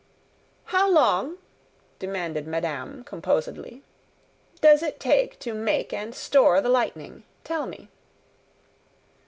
"How long," demanded madame, composedly, "does it take to make and store the lightning? Tell me."